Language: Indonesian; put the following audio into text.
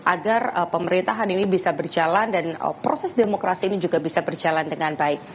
agar pemerintahan ini bisa berjalan dan proses demokrasi ini juga bisa berjalan dengan baik